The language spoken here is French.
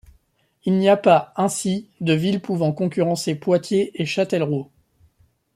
Il n’y a pas, ainsi, de villes pouvant concurrencer Poitiers et Châtellerault.